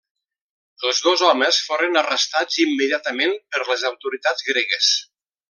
Els dos homes foren arrestats immediatament per les autoritats gregues.